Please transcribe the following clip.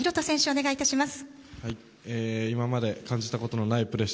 お願いいたします。